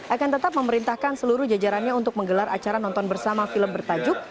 akan tetap memerintahkan seluruh jajarannya untuk menggelar acara nonton bersama film bertajuk